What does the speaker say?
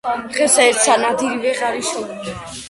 დღესა ერთსა ნადირი ვეღარ იშოვნა,